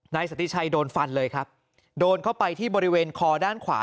สติชัยโดนฟันเลยครับโดนเข้าไปที่บริเวณคอด้านขวา